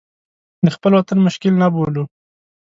د خپل وطن مشکل نه بولو.